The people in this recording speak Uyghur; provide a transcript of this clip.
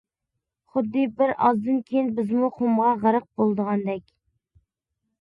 خۇددى بىر ئازدىن كىيىن بىزمۇ قۇمغا غەرق بولىدىغاندەك.